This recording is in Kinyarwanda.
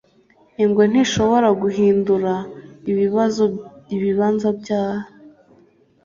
ingwe ntishobora guhindura ibibanza byayo